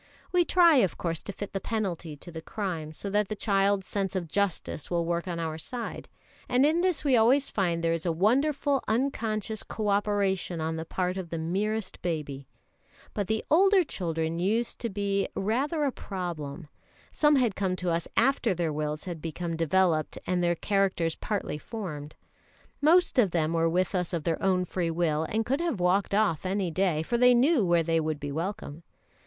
We try, of course, to fit the penalty to the crime, so that the child's sense of justice will work on our side; and in this we always find there is a wonderful unconscious co operation on the part of the merest baby. But the older children used to be rather a problem. Some had come to us after their wills had become developed and their characters partly formed. Most of them were with us of their own free will, and could have walked off any day, for they knew where they would be welcome.